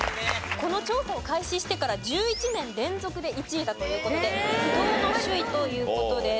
この調査を開始してから１１年連続で１位だという事で不動の首位という事です。